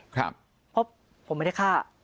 เพราะผมไม่ได้ฆ่า